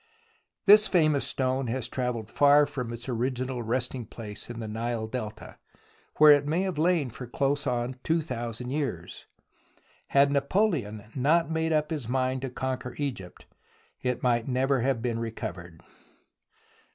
This famous stone has travelled far from its original resting place in the Nile delta, where it may have lain for close on two thousand years. Had Napoleon not made up his mind to conquer Egypt it might never have been recovered.